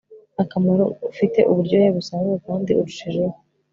akamaro ufite uburyohe busanzwe kandi urushijeho